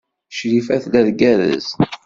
Crifa tella tgerrez.